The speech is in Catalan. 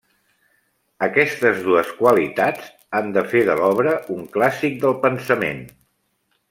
Aquestes dues qualitats han de fer de l'obra un clàssic del pensament.